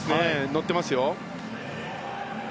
乗ってますよ。